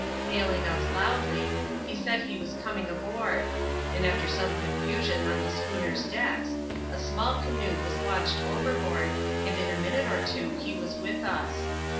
Hailing us loudly, he said he was coming aboard ; and afi«f some confusion on the schooner's decks, a small canoe 'was launched overboard, and in a minute or two he was with ns.